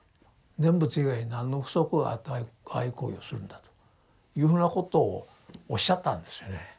念仏以外なんの不足があってああいう行為をするんだというふうなことをおっしゃったんですよね。